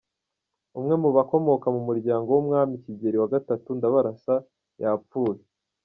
Umwe mu bakomoka mu muryango w’Umwami Kigeli wagatatu Ndabarasa yapfuye